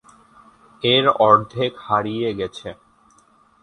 এর অর্ধেক হারিয়ে গেছে।